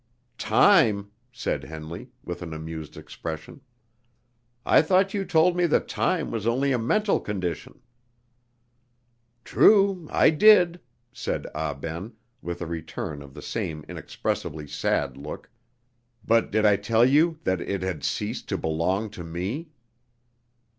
"Time!" said Henley, with an amused expression. "I thought you told me that time was only a mental condition!" "True, I did," said Ah Ben, with a return of the same inexpressibly sad look; "but did I tell you that it had ceased to belong to me?"